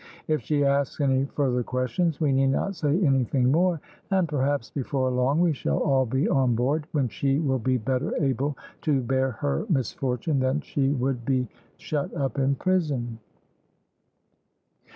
"If she asks any further questions we need not say anything more, and perhaps before long we shall all be on board, when she will be better able to bear her misfortune than she would be shut up in prison."